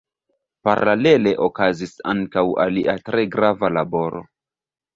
Paralele okazis ankaŭ alia tre grava laboro.